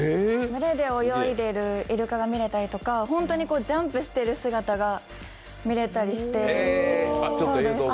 群れで泳いでいるイルカが見れたりとか、本当にジャンプしてる姿が見れたりして。